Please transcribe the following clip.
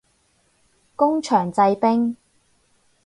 工場製冰